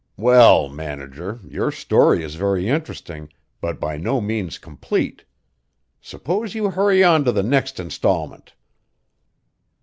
"Well, manager, your story is very interesting, but by no means complete. Suppose you hurry on to the next instalment."